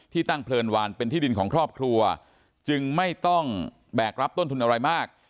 ตั้งเพลินวานเป็นที่ดินของครอบครัวจึงไม่ต้องแบกรับต้นทุนอะไรมาก